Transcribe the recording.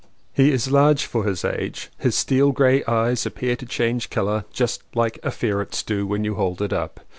He is large for his age. His steel grey eyes appear to change colour just like a ferret's do when you hold it up.